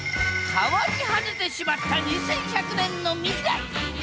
変わり果ててしまった２１００年の未来。